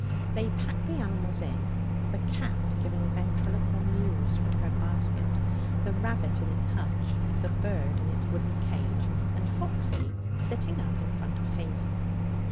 They packed the animals in the cat giving ventriloquial mews from her basket, the rabbit in its hutch, the bird in its wooden cage, and Foxy sitting up in front of Hazel.